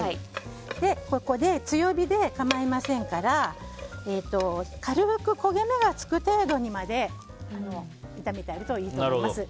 ここで強火で構いませんから軽く焦げ目がつく程度にまで炒めてあげるといいと思います。